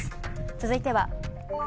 続いては。